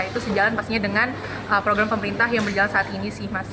itu sejalan pastinya dengan program pemerintah yang berjalan saat ini sih mas